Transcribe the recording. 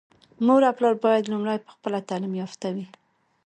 مور او پلار بايد لومړی په خپله تعليم يافته وي.